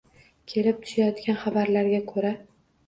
Kelib tushayotgan xabarlarga ko‘ra